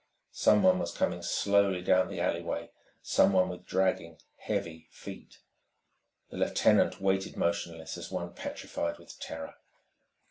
Someone was coming slowly down the alleyway, someone with dragging, heavy feet. The lieutenant waited motionless, as one petrified with terror.